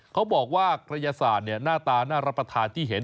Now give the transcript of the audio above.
เขาบอกว่ากระยาศาสตร์หน้าตาน่ารับประทานที่เห็น